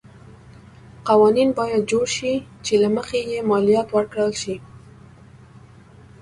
قوانین باید جوړ شي چې له مخې یې مالیات ورکړل شي.